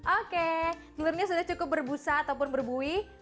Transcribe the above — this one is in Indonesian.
oke telurnya sudah cukup berbusa ataupun berbuih